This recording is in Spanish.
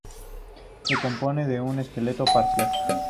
Se compone de un esqueleto parcial.